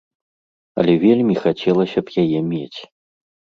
Але вельмі хацелася б яе мець.